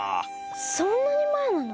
そんなにまえなの？